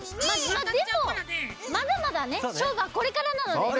まあでもまだまだねしょうぶはこれからなのでね。